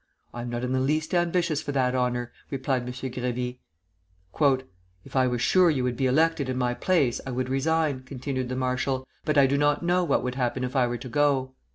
"I am not in the least ambitious for that honor," replied M. Grévy. "If I were sure you would be elected in my place, I would resign," continued the marshal; "but I do not know what would happen if I were to go."